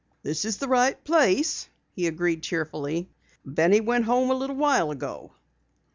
"This is the right place," he agreed cheerfully. "Benny went home a little while ago."